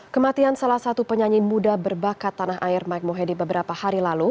kematian salah satu penyanyi muda berbakat tanah air mike mohede beberapa hari lalu